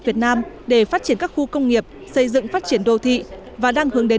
việt nam để phát triển các khu công nghiệp xây dựng phát triển đô thị và đang hướng đến